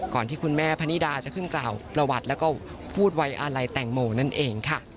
ก่อนที่คุณแม่พระนิดาจะขึ้นก่อนประวัติแล้วก็พูดไว้อะไรแต่งโมนนั่นเองค่ะ